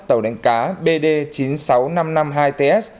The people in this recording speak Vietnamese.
tàu đánh cá bd chín mươi sáu nghìn năm trăm năm mươi hai ts